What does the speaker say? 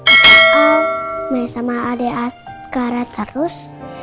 aku ke awal main sama adek asgaret terus